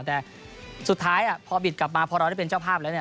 แต่สุดท้ายพอบิดกลับมาพอเราได้เป็นเจ้าภาพแล้วเนี่ย